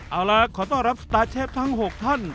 เอาล่ะขอต้อนรับสตาร์เชฟทั้ง๖ท่าน